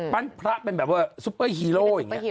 ปั้นพระเป็นแบบว่าซูเปอร์ฮีโร